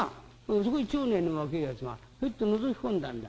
そこへ町内の若えやつがひょいとのぞき込んだんだ。